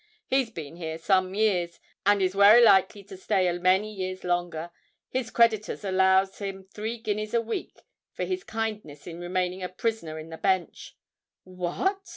He's been here some years, and is wery likely to stay a many years longer. His creditors allows him three guineas a week for his kindness in remaining a prisoner in the Bench." "What!"